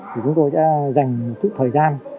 thì chúng tôi sẽ dành chút thời gian